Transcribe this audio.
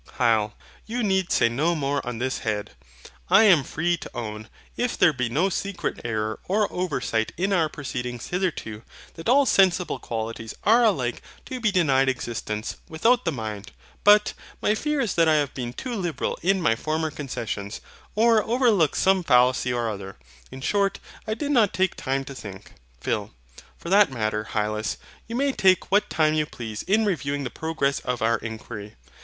HYL. You need say no more on this head. I am free to own, if there be no secret error or oversight in our proceedings hitherto, that all sensible qualities are alike to be denied existence without the mind. But, my fear is that I have been too liberal in my former concessions, or overlooked some fallacy or other. In short, I did not take time to think. PHIL. For that matter, Hylas, you may take what time you please in reviewing the progress of our inquiry.